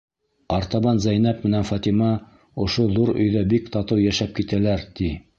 Артабан Зәйнәп менән Фатима ошо ҙур өйҙә бик татыу йәшәп китәләр, ти.